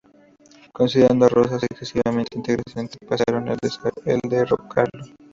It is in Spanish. Considerando a Rosas excesivamente intransigente, pensaron en derrocarlo.